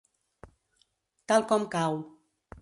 Tal com cau.